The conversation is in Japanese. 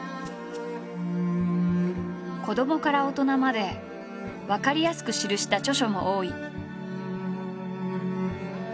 子どもから大人までわかりやすく記した著書も多い。